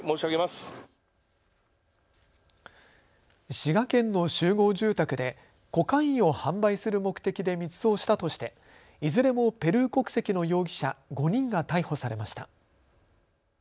滋賀県の集合住宅でコカインを販売する目的で密造したとしていずれもペルー国籍の容疑者５人が逮捕されました。